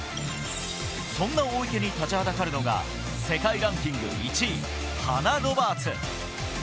そんな大池に立ちはだかるのが、世界ランキング１位、ハナ・ロバーツ。